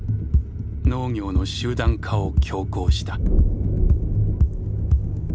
「農業の集団化」を強行した。